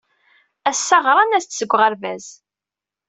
Ass-a ɣran-as-d seg uɣerbaz.